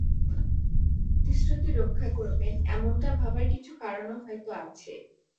বুহারি তাঁর প্রতিশ্রুতি রক্ষা করবেন, এমনটা ভাবার কিছু কারণও হয়তো আছে।